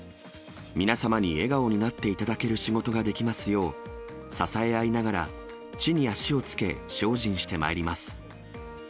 皆様に笑顔になっていただける仕事ができますよう、支え合いながら、地に足を着け、精進してまいります。